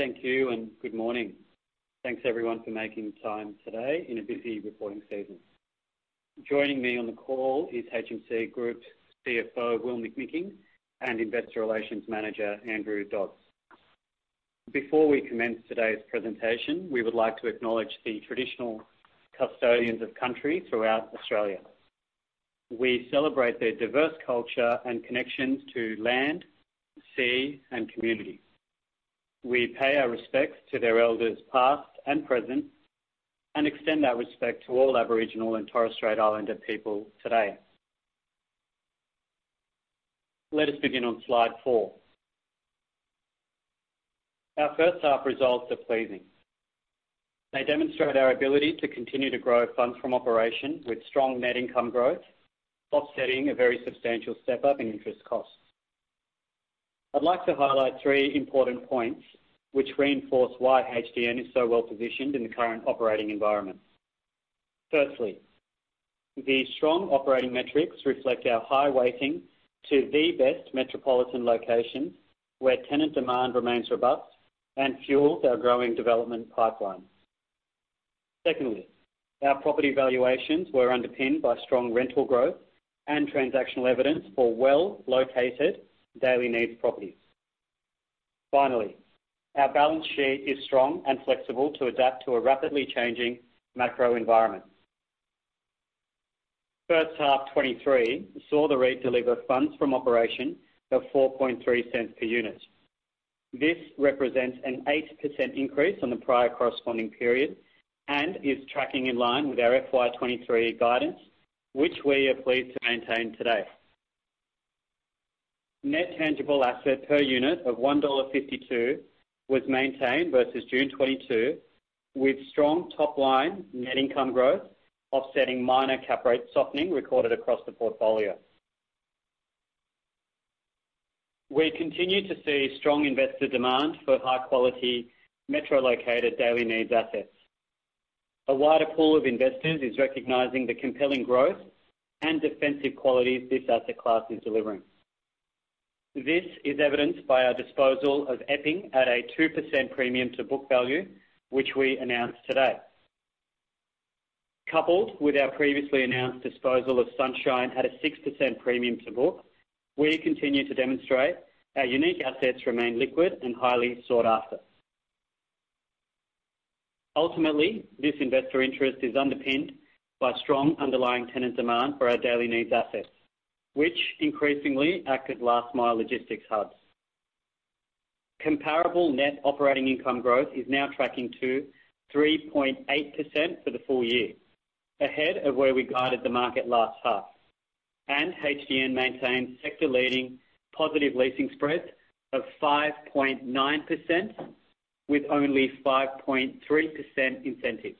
Thank you and good morning. Thanks everyone for making time today in a busy reporting season. Joining me on the call is HMC Group CFO, Will McMicking, and Investor Relations Manager, Andrew Dodds. Before we commence today's presentation, we would like to acknowledge the traditional custodians of country throughout Australia. We celebrate their diverse culture and connections to land, sea, and community. We pay our respects to their elders past and present, and extend that respect to all Aboriginal and Torres Strait Islander people today. Let us begin on slide four. Our first half results are pleasing. They demonstrate our ability to continue to grow funds from operations with strong net income growth, offsetting a very substantial step up in interest costs. I'd like to highlight three important points which reinforce why HDN is so well-positioned in the current operating environment. Firstly, the strong operating metrics reflect our high weighting to the best metropolitan locations, where tenant demand remains robust and fuels our growing development pipeline. Secondly, our property valuations were underpinned by strong rental growth and transactional evidence for well-located daily needs properties. Finally, our balance sheet is strong and flexible to adapt to a rapidly changing macro environment. First half 2023 saw the REIT deliver funds from operation of 0.043 per unit. This represents an 8% increase on the prior corresponding period and is tracking in line with our FY2023 guidance, which we are pleased to maintain today. Net tangible asset per unit of 1.52 dollar was maintained versus June 2022, with strong top-line net income growth offsetting minor cap rate softening recorded across the portfolio. We continue to see strong investor demand for high-quality metro located daily needs assets. A wider pool of investors is recognizing the compelling growth and defensive qualities this asset class is delivering. This is evidenced by our disposal of Epping at a 2% premium to book value, which we announced today. Coupled with our previously announced disposal of Sunshine at a 6% premium to book, we continue to demonstrate our unique assets remain liquid and highly sought after. Ultimately, this investor interest is underpinned by strong underlying tenant demand for our daily needs assets, which increasingly act as last mile logistics hubs. Comparable net operating income growth is now tracking to 3.8% for the full year, ahead of where we guided the market last half. HDN maintains sector-leading positive leasing spreads of 5.9% with only 5.3% incentives.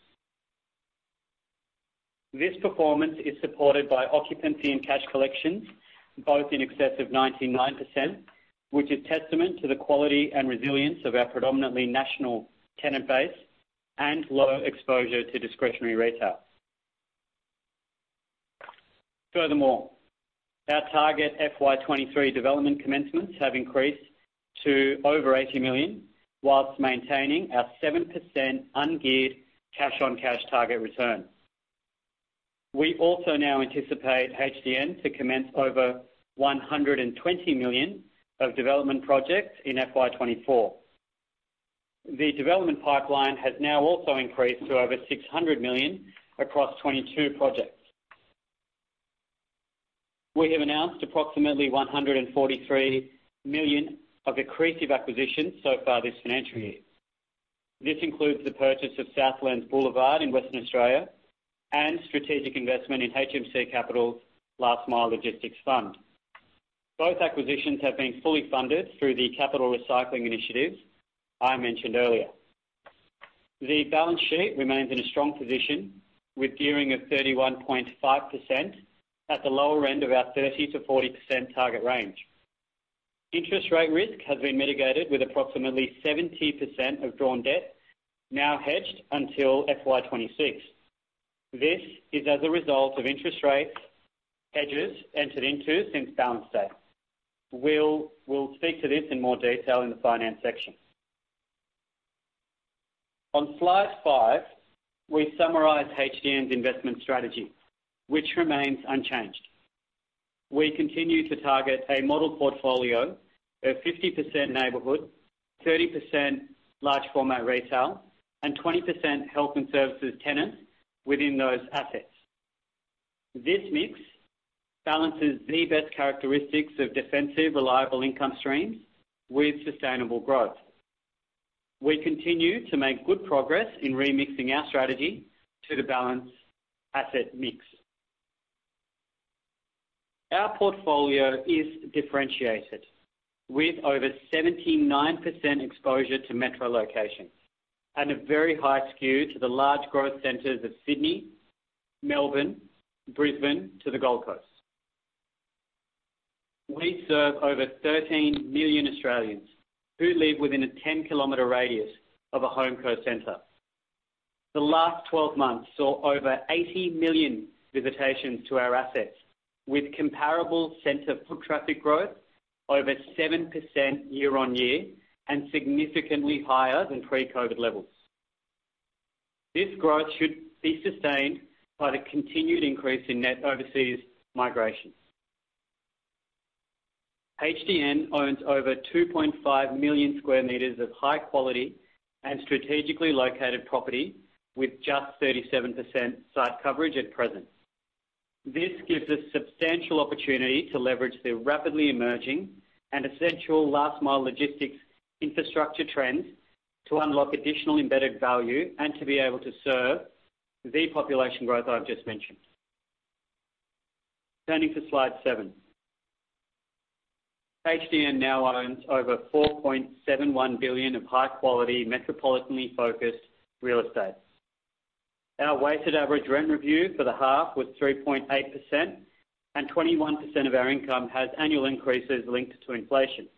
This performance is supported by occupancy and cash collections, both in excess of 99%, which is testament to the quality and resilience of our predominantly national tenant base and lower exposure to discretionary retail. Our target FY23 development commencements have increased to over 80 million whilst maintaining our 7% ungeared cash-on-cash target return. We also now anticipate HDN to commence over 120 million of development projects in FY24. The development pipeline has now also increased to over 600 million across 22 projects. We have announced approximately 143 million of accretive acquisitions so far this financial year. This includes the purchase of Southlands Boulevarde in Western Australia and strategic investment in HMC Capital's Last Mile Logistics Fund. Both acquisitions have been fully funded through the capital recycling initiatives I mentioned earlier. The balance sheet remains in a strong position with gearing of 31.5% at the lower end of our 30%-40% target range. Interest rate risk has been mitigated with approximately 70% of drawn debt now hedged until FY26. This is as a result of interest rate hedges entered into since balance date. We'll speak to this in more detail in the finance section. On slide five, we summarize HDN's investment strategy, which remains unchanged. We continue to target a model portfolio of 50% neighborhood, 30% large format retail, and 20% health and services tenants within those assets. This mix balances the best characteristics of defensive, reliable income streams with sustainable growth. We continue to make good progress in remixing our strategy to the balance asset mix. Our portfolio is differentiated with over 79% exposure to metro locations and a very high skew to the large growth centers of Sydney, Melbourne, Brisbane to the Gold Coast. We serve over 13 million Australians who live within a 10km radius of a HomeCo center. The last 12 months saw over 80 million visitations to our assets, with comparable center foot traffic growth over 7% year-on-year and significantly higher than pre-COVID levels. This growth should be sustained by the continued increase in net overseas migration. HDN owns over 2.5 million sq m of high quality and strategically located property with just 37% site coverage at present. This gives us substantial opportunity to leverage the rapidly emerging and essential last mile logistics infrastructure trends to unlock additional embedded value and to be able to serve the population growth I've just mentioned. Turning to slide seven. HDN now owns over 4.71 billion of high-quality, metropolitan-focused real estate. Our weighted average rent review for the half was 3.8%. Twenty-one percent of our income has annual increases linked to inflation.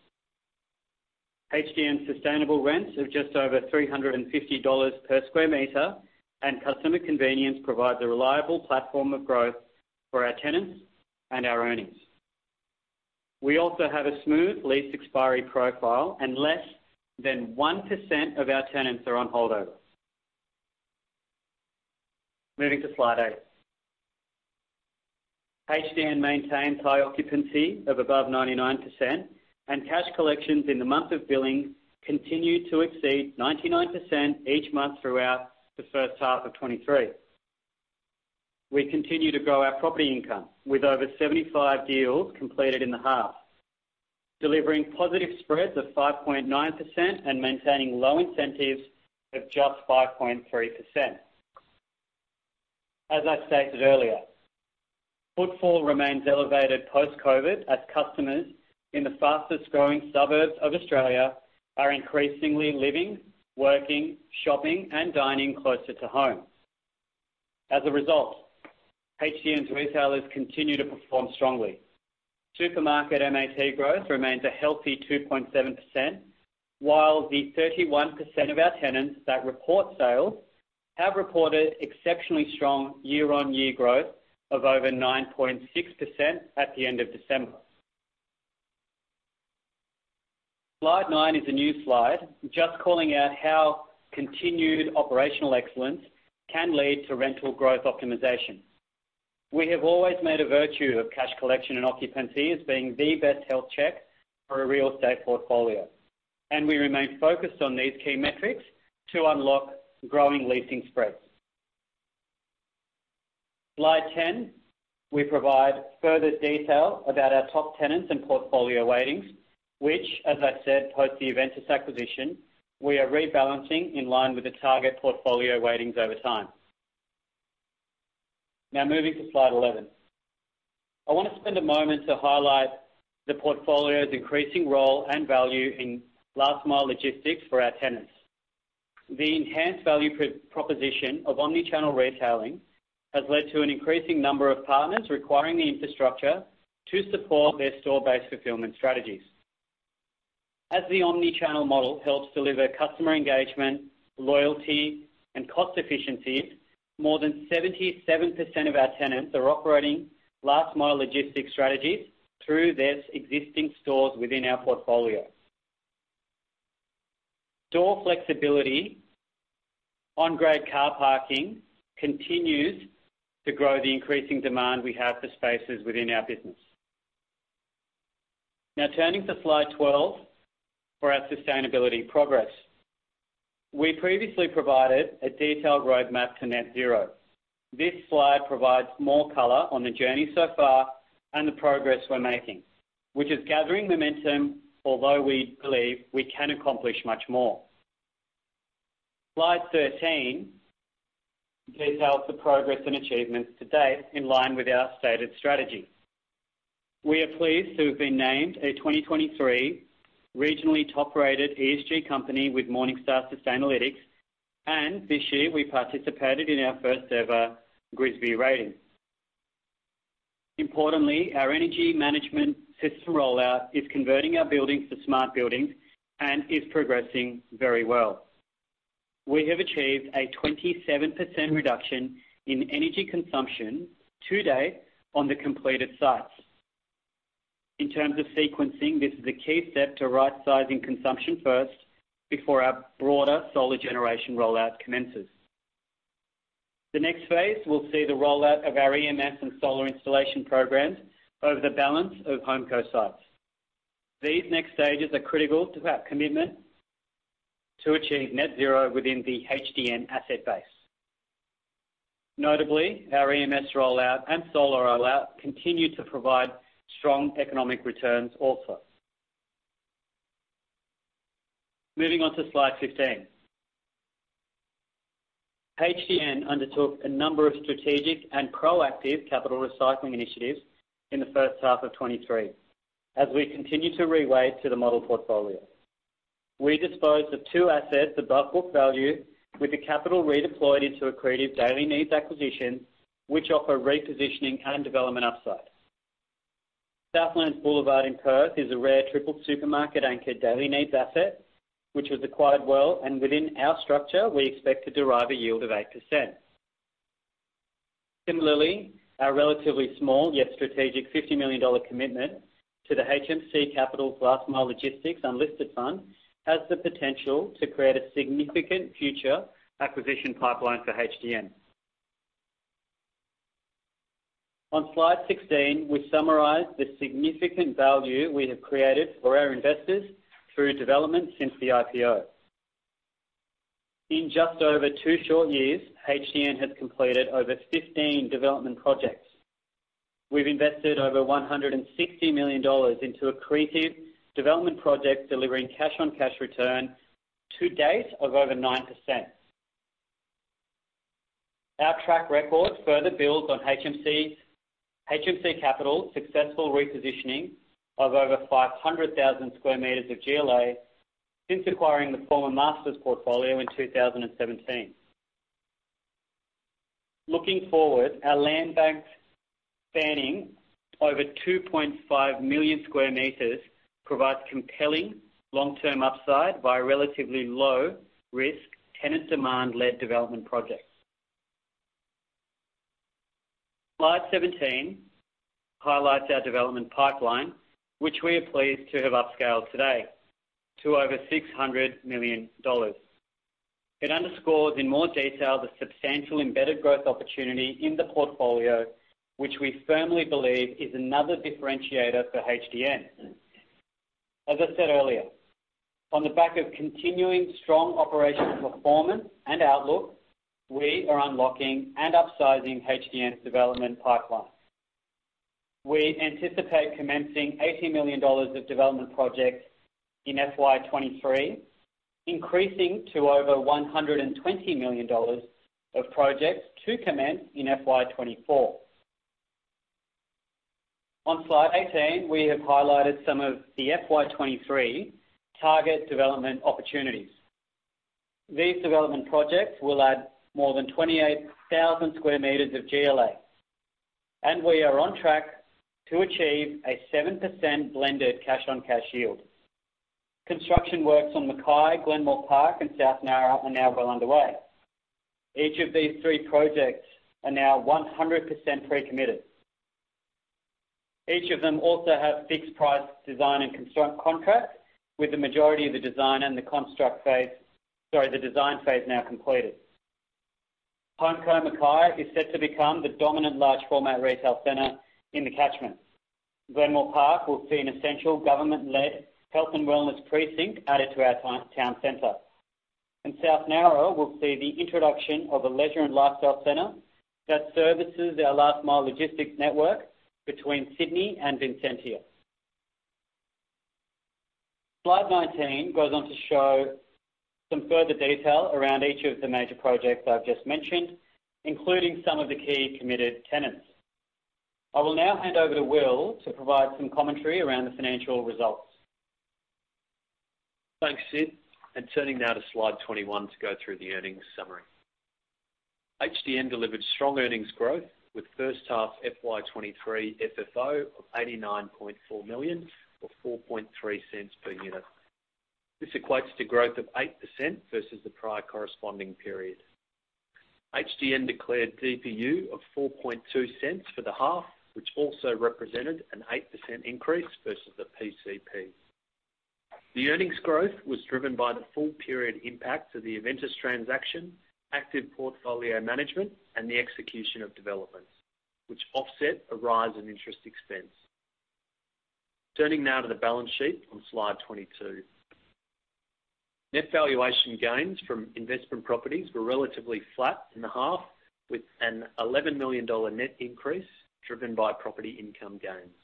HDN sustainable rents of just over 350 dollars per sq m and customer convenience provide the reliable platform of growth for our tenants and our earnings. We also have a smooth lease expiry profile and less than 1% of our tenants are on holdovers. Moving to slide eight. HDN maintains high occupancy of above 99%. Cash collections in the month of billing continue to exceed 99% each month throughout the first half of 2023. We continue to grow our property income with over 75 deals completed in the half, delivering positive spreads of 5.9% and maintaining low incentives of just 5.3%. As I stated earlier, footfall remains elevated post-COVID as customers in the fastest growing suburbs of Australia are increasingly living, working, shopping, and dining closer to home. As a result, HDN's retailers continue to perform strongly. Supermarket MAT growth remains a healthy 2.7%, while the 31% of our tenants that report sales have reported exceptionally strong year-on-year growth of over 9.6% at the end of December. Slide nine is a new slide, just calling out how continued operational excellence can lead to rental growth optimization. We have always made a virtue of cash collection and occupancy as being the best health check for a real estate portfolio. We remain focused on these key metrics to unlock growing leasing spreads. Slide 10, we provide further detail about our top tenants and portfolio weightings, which, as I said, post the Aventus acquisition, we are rebalancing in line with the target portfolio weightings over time. Moving to slide 11, I want to spend a moment to highlight the portfolio's increasing role and value in last mile logistics for our tenants. The enhanced value proposition of omni-channel retailing has led to an increasing number of partners requiring the infrastructure to support their store-based fulfillment strategies. As the omni-channel model helps deliver customer engagement, loyalty, and cost efficiencies, more than 77% of our tenants are operating last mile logistics strategies through these existing stores within our portfolio. Door flexibility on grade car parking continues to grow the increasing demand we have for spaces within our business. Turning to slide 12 for our sustainability progress. We previously provided a detailed roadmap to net zero. This slide provides more color on the journey so far and the progress we're making, which is gathering momentum, although we believe we can accomplish much more. Slide 13 details the progress and achievements to date in line with our stated strategy. We are pleased to have been named a 2023 regionally top-rated ESG company with Morningstar Sustainalytics, and this year we participated in our first-ever GRESB rating. Importantly, our energy management system rollout is converting our buildings to smart buildings and is progressing very well. We have achieved a 27% reduction in energy consumption to date on the completed sites. In terms of sequencing, this is a key step to right-sizing consumption first before our broader solar generation rollout commences. The next phase, we'll see the rollout of our EMS and solar installation programs over the balance of HomeCo sites. These next stages are critical to our commitment to achieve net zero within the HDN asset base. Notably, our EMS rollout and solar rollout continue to provide strong economic returns also. Moving on to slide 15. HDN undertook a number of strategic and proactive capital recycling initiatives in the first half of 2023 as we continue to reweigh to the model portfolio. We disposed of two assets above book value with the capital redeployed into accretive daily needs acquisitions, which offer repositioning and development upside. Southlands Boulevard in Perth is a rare triple supermarket anchor daily needs asset, which was acquired well, and within our structure, we expect to derive a yield of 8%. Similarly, our relatively small, yet strategic 50 million dollar commitment to the HMC Capital's Last Mile Logistics unlisted fund has the potential to create a significant future acquisition pipeline for HDN. On slide 16, we summarize the significant value we have created for our investors through development since the IPO. In just over two short years, HDN has completed over 15 development projects. We've invested over 160 million dollars into accretive development projects, delivering cash-on-cash return to date of over 9%. Our track record further builds on HMC Capital's successful repositioning of over 500,000 sq m of GLA since acquiring the former Masters portfolio in 2017. Looking forward, our land bank spanning over 2.5 million sq m provides compelling long-term upside by relatively low risk tenant demand-led development projects. Slide 17 highlights our development pipeline, which we are pleased to have upscaled today to over 600 million dollars. It underscores in more detail the substantial embedded growth opportunity in the portfolio, which we firmly believe is another differentiator for HDN. As I said earlier, on the back of continuing strong operational performance and outlook, we are unlocking and upsizing HDN's development pipeline. We anticipate commencing AUD 80 million of development projects in FY 2023, increasing to over 120 million dollars of projects to commence in FY 2024. On slide 18, we have highlighted some of the FY 23 target development opportunities. These development projects will add more than 28,000 sq m of GLA, and we are on track to achieve a 7% blended cash-on-cash yield. Construction works on Mackay, Glenmore Park, and South Nowra are now well underway. Each of these three projects are now 100% pre-committed. Each of them also have fixed price design and construct contracts with the majority of the design phase now completed. HomeCo Mackay is set to become the dominant large format retail center in the catchment. Glenmore Park will see an essential government-led health and wellness precinct added to our town center. South Nowra will see the introduction of a leisure and lifestyle center that services our Last Mile Logistics network between Sydney and Vincentia. Slide 19 goes on to show some further detail around each of the major projects I've just mentioned, including some of the key committed tenants. I will now hand over to Will to provide some commentary around the financial results. Thanks, Sid. Turning now to slide 21 to go through the earnings summary. HDN delivered strong earnings growth with first half FY 2023 FFO of 89.4 million or 0.043 per unit. This equates to growth of 8% versus the prior corresponding period. HDN declared DPU of 0.042 for the half, which also represented an 8% increase versus the PCP. The earnings growth was driven by the full period impact of the Aventus transaction, active portfolio management, and the execution of developments, which offset a rise in interest expense. Turning now to the balance sheet on slide 22. Net valuation gains from investment properties were relatively flat in the half with an 11 million dollar net increase driven by property income gains.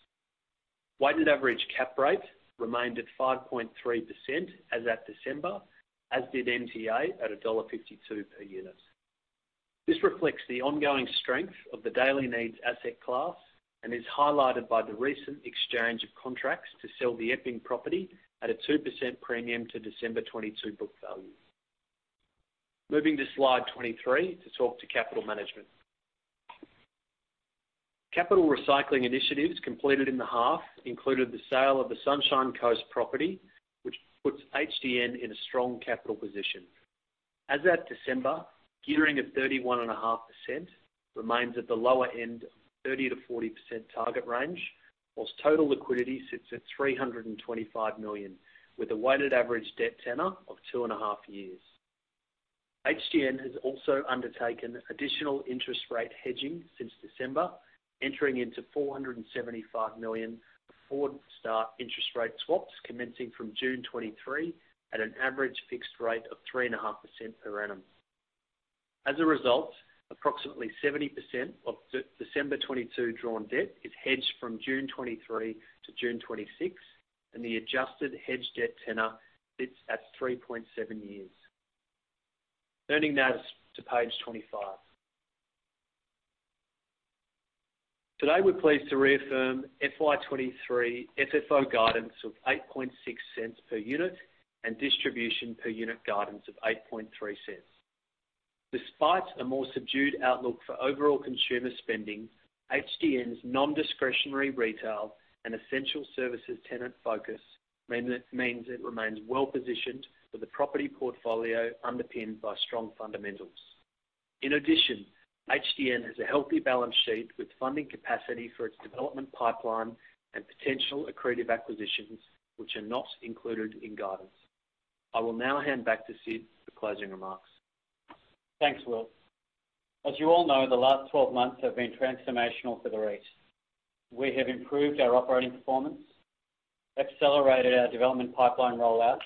Weighted average cap rate remained at 5.3% as at December, as did NTA at dollar 1.52 per unit. This reflects the ongoing strength of the daily needs asset class and is highlighted by the recent exchange of contracts to sell the Epping property at a 2% premium to December 2022 book value. Moving to slide 23 to talk to capital management. Capital recycling initiatives completed in the half included the sale of the Sunshine Coast property, which puts HDN in a strong capital position. As at December, gearing of 31.5% remains at the lower end of 30%-40% target range, whilst total liquidity sits at 325 million with a weighted average debt tenor of two and a half years. HDN has also undertaken additional interest rate hedging since December, entering into 475 million forward start interest rate swaps commencing from June 2023 at an average fixed rate of 3.5% per annum. As a result, approximately 70% of December 2022 drawn debt is hedged from June 2023 to June 2026, and the adjusted hedged debt tenor sits at 3.7 years. Turning now to page 25. Today, we're pleased to reaffirm FY23 FFO guidance of 0.086 per unit and distribution per unit guidance of 0.083. Despite a more subdued outlook for overall consumer spending, HDN's nondiscretionary retail and essential services tenant focus means it remains well-positioned with a property portfolio underpinned by strong fundamentals. In addition, HDN has a healthy balance sheet with funding capacity for its development pipeline and potential accretive acquisitions, which are not included in guidance. I will now hand back to Sid for closing remarks. Thanks, Will. As you all know, the last 12 months have been transformational for the REIT. We have improved our operating performance, accelerated our development pipeline rollout,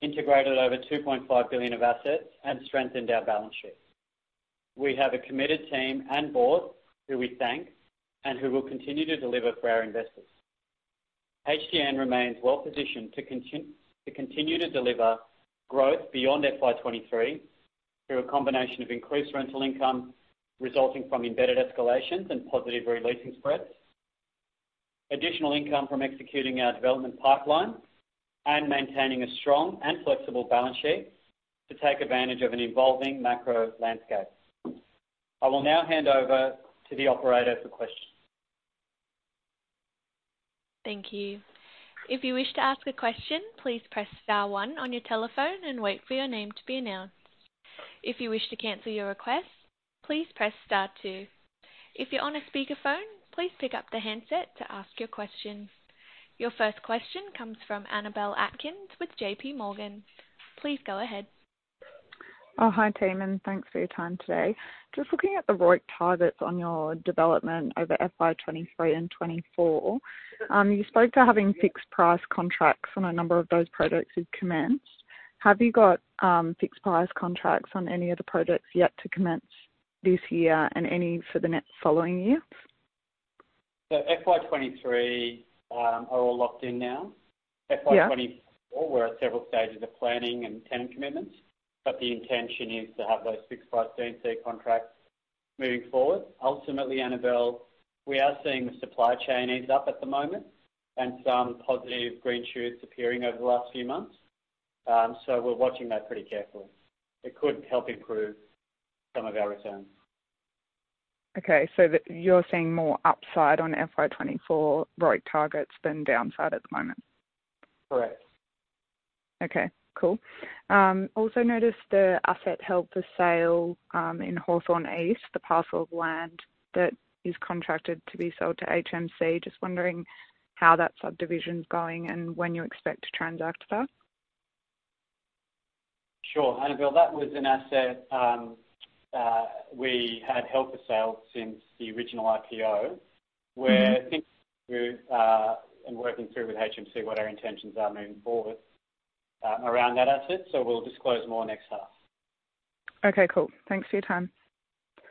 integrated over 2.5 billion of assets, and strengthened our balance sheet. We have a committed team and board who we thank and who will continue to deliver for our investors. HDN remains well-positioned to continue to deliver growth beyond FY23 through a combination of increased rental income resulting from embedded escalations and positive re-leasing spreads, additional income from executing our development pipeline and maintaining a strong and flexible balance sheet to take advantage of an evolving macro landscape. I will now hand over to the operator for questions. Thank you. If you wish to ask a question, please press star one on your telephone and wait for your name to be announced. If you wish to cancel your request, please press star two. If you're on a speakerphone, please pick up the handset to ask your questions. Your first question comes from Annabelle Atkins with JPMorgan. Please go ahead. Oh, hi, team, and thanks for your time today. Just looking at the ROIC targets on your development over FY 2023 and 2024, you spoke to having fixed price contracts on a number of those products you've commenced. Have you got fixed price contracts on any of the products yet to commence this year and any for the next following years? FY 2023, are all locked in now. Yeah. FY 2024, we're at several stages of planning and tenant commitments, the intention is to have those fixed price D&C contracts moving forward. Ultimately, Annabelle, we are seeing the supply chain ease up at the moment and some positive green shoots appearing over the last few months, we're watching that pretty carefully. It could help improve some of our returns. Okay. You're seeing more upside on FY 2024 ROIC targets than downside at the moment? Correct. Okay, cool. Also noticed the asset held for sale in Hawthorn East, the parcel of land that is contracted to be sold to HMC. Just wondering how that subdivision is going and when you expect to transact that? Sure. Annabelle, that was an asset, we had held for sale since the original IPO. Mm-hmm Where I think we're working through with HMC what our intentions are moving forward, around that asset, we'll disclose more next half. Okay, cool. Thanks for your time.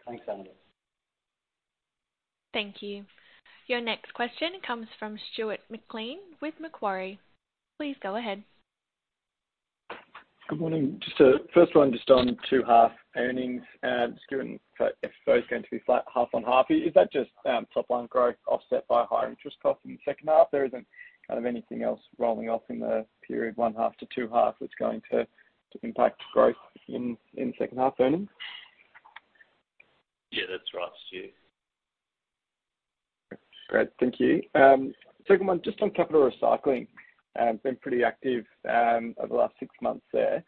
Thanks, Annabelle. Thank you. Your next question comes from Stuart McLean with Macquarie. Please go ahead. Good morning. Just first one just on 2 half earnings. Just given FFO is going to be flat half on half, is that just top line growth offset by higher interest costs in the second half? There isn't kind of anything else rolling off in the period 1 half to 2 half that's going to impact growth in second half earnings? Yeah, that's right, Stu. Great. Thank you. Second one, just on capital recycling. Been pretty active over the last 6 months there.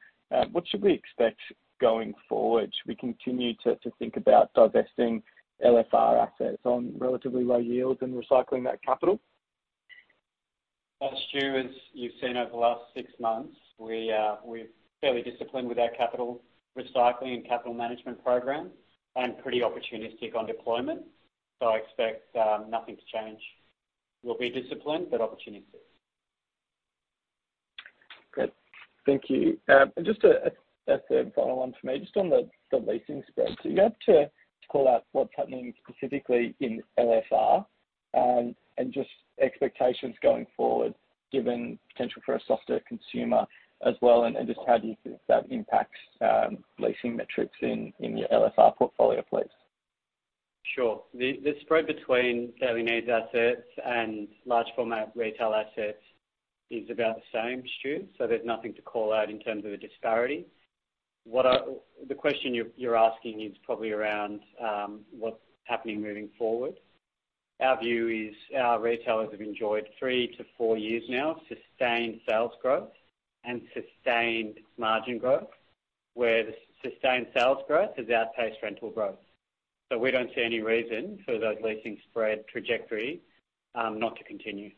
What should we expect going forward? Should we continue to think about divesting LFR assets on relatively low yields and recycling that capital? Stu, as you've seen over the last six months, we're fairly disciplined with our capital recycling and capital management program and pretty opportunistic on deployment. I expect nothing to change. We'll be disciplined, but opportunistic. Great. Thank you. Just a third and final one for me. Just on the leasing spreads. Are you able to call out what's happening specifically in LFR, and just expectations going forward, given potential for a softer consumer as well, and just how do you think that impacts leasing metrics in your LFR portfolio, please? Sure. The spread between daily needs assets and large format retail assets is about the same, Stu, there's nothing to call out in terms of a disparity. The question you're asking is probably around what's happening moving forward. Our view is our retailers have enjoyed three to four years now of sustained sales growth and sustained margin growth, where the sustained sales growth has outpaced rental growth. We don't see any reason for those leasing spread trajectory not to continue.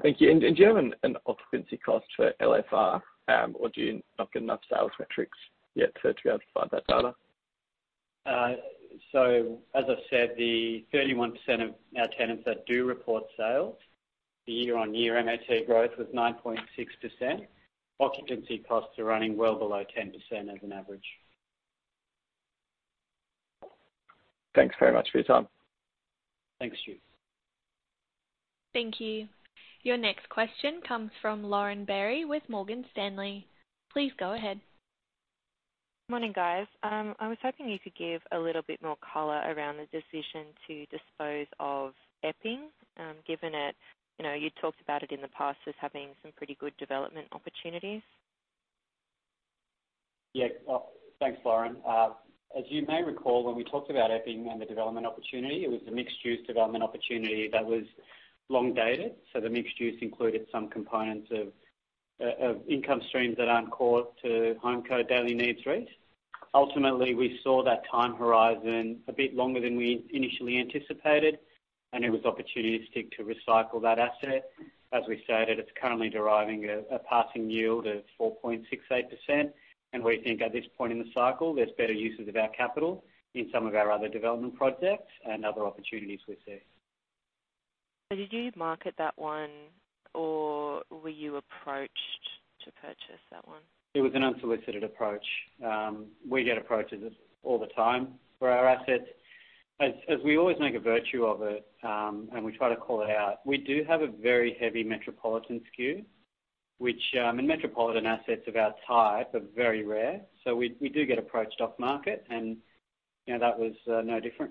Great. Thank you. Do you have an occupancy cost for LFR, or do you not get enough sales metrics yet to be able to find that data? As I said, the 31% of our tenants that do report sales, the year-on-year MAT growth was 9.6%. Occupancy costs are running well below 10% as an average. Thanks very much for your time. Thanks, Stu. Thank you. Your next question comes from Lauren Berry with Morgan Stanley. Please go ahead. Morning, guys. I was hoping you could give a little bit more color around the decision to dispose of Epping, given it, you know, you talked about it in the past as having some pretty good development opportunities? Thanks, Lauren. As you may recall, when we talked about Epping and the development opportunity, it was a mixed-use development opportunity that was long dated. The mixed-use included some components of income streams that aren't core to HomeCo Daily Needs REIT. Ultimately, we saw that time horizon a bit longer than we initially anticipated. It was opportunistic to recycle that asset. As we stated, it's currently deriving a passing yield of 4.68%. We think at this point in the cycle, there's better uses of our capital in some of our other development projects and other opportunities we see. Did you market that one, or were you approached to purchase that one? It was an unsolicited approach. We get approaches all the time for our assets. As we always make a virtue of it, and we try to call it out, we do have a very heavy metropolitan skew, which, and metropolitan assets of our type are very rare. We do get approached off market and, you know, that was no different.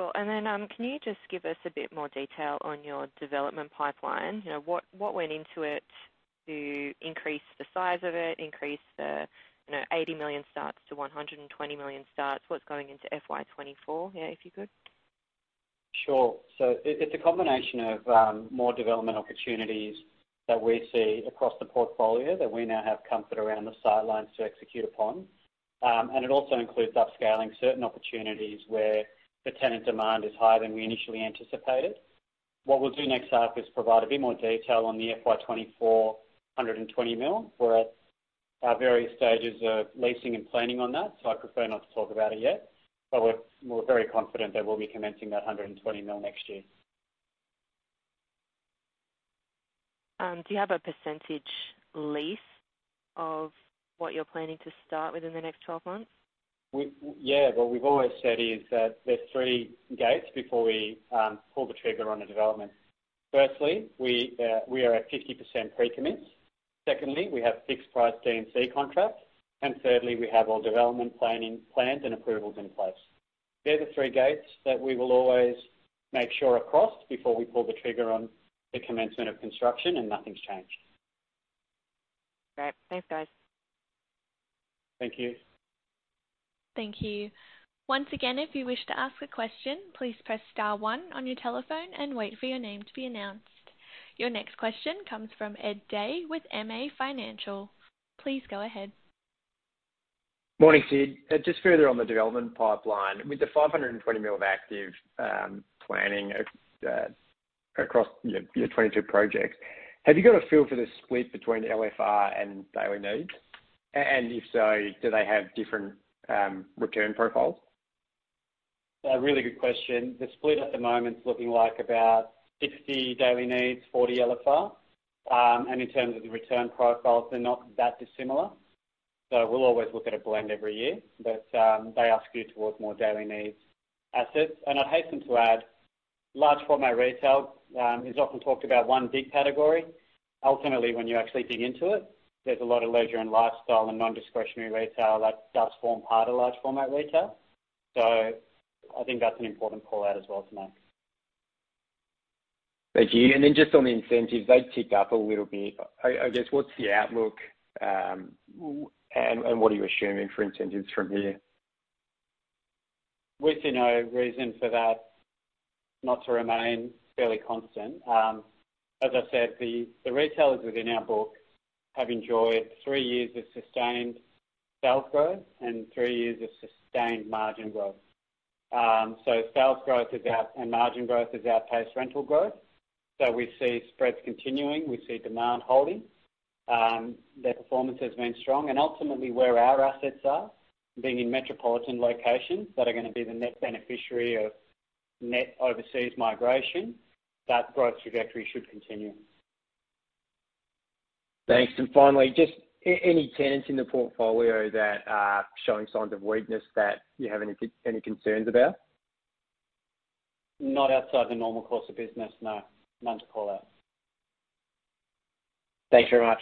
Cool. Then, can you just give us a bit more detail on your development pipeline? You know, what went into it to increase the size of it, increase the, you know, 80 million starts to 120 million starts. What's going into FY 2024, yeah, if you could? Sure. It's a combination of more development opportunities that we see across the portfolio that we now have comfort around the sidelines to execute upon. It also includes upscaling certain opportunities where the tenant demand is higher than we initially anticipated. What we'll do next half is provide a bit more detail on the FY 2024 120 million. We're at various stages of leasing and planning on that, so I prefer not to talk about it yet, but we're very confident that we'll be commencing that 120 million next year. Do you have a % lease of what you're planning to start within the next 12 months? Yeah, what we've always said is that there's three gates before we pull the trigger on a development. Firstly, we are at 50% pre-commit. Secondly, we have fixed price D&C contracts. And thirdly, we have all development planning plans and approvals in place. They're the three gates that we will always make sure are crossed before we pull the trigger on the commencement of construction, and nothing's changed. Great. Thanks, guys. Thank you. Thank you. Once again, if you wish to ask a question, please press star one on your telephone and wait for your name to be announced. Your next question comes from Edward Day with MA Financial. Please go ahead. Morning, Sid. Just further on the development pipeline. With the $520 million of active planning across your 22 projects, have you got a feel for the split between LFR and daily needs? If so, do they have different return profiles? A really good question. The split at the moment is looking like about 60 Daily Needs, 40 LFR. In terms of the return profiles, they're not that dissimilar. We'll always look at a blend every year. They are skewed towards more Daily Needs assets. I'd hasten to add, large format retail, is often talked about one big category. Ultimately, when you actually dig into it, there's a lot of leisure and lifestyle and non-discretionary retail that does form part of large format retail. I think that's an important call-out as well to make. Thank you. Then just on the incentives, they've ticked up a little bit. I guess, what's the outlook, and what are you assuming for incentives from here? We see no reason for that not to remain fairly constant. As I said, the retailers within our book have enjoyed three years of sustained sales growth and three years of sustained margin growth. Sales growth and margin growth has outpaced rental growth. We see spreads continuing, we see demand holding. Their performance has been strong. Ultimately, where our assets are, being in metropolitan locations that are gonna be the net beneficiary of net overseas migration, that growth trajectory should continue. Thanks. Finally, just any tenants in the portfolio that are showing signs of weakness that you have any concerns about? Not outside the normal course of business, no. None to call out. Thanks very much.